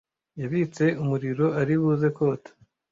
yabitse umuriro ari buze kota